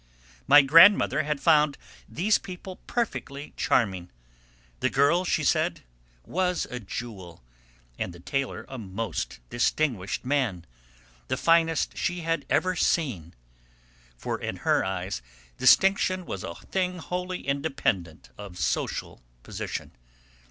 My grandmother had found these people perfectly charming: the girl, she said, was a jewel, and the tailor a most distinguished man, the finest she had ever seen. For in her eyes distinction was a thing wholly independent of social position.